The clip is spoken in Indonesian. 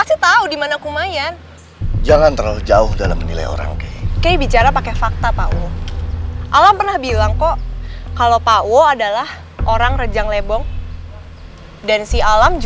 iya benar manusia harimau jaraknya cukup jauh dari sini